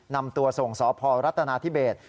นำตัวส่งสพรัฐนาธิเบส